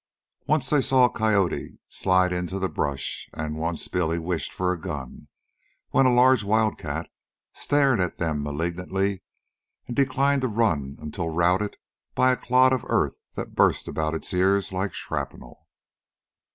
Once they saw a coyote slide into the brush, and once Billy wished for a gun when a large wildcat stared at them malignantly and declined to run until routed by a clod of earth that burst about its ears like shrapnel.